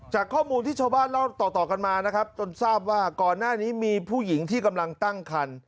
จากข้อมูลที่ชาวบ้านเล่าต่อกันมานะครับจนทราบว่าก่อนหน้านี้มีผู้หญิงที่กำลังตั้งคัน